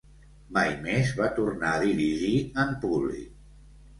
Mai més va tornar a dirigir en públic.